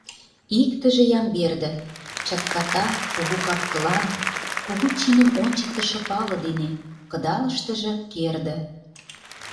Иктыже — Ямберде — чатката, кугу кап-кылан, кугу чиным ончыктышо пале дене, кыдалыштыже — керде.